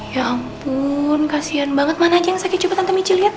ya ampun kasihan banget mana aja yang sakit coba tante michi lihat